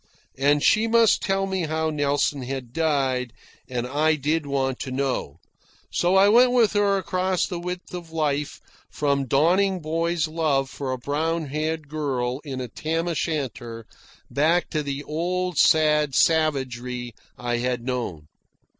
And she must tell me how Nelson had died, and I did want to know; so I went with her across the width of life from dawning boy's love for a brown haired girl in a tam o' shanter back to the old sad savagery I had known.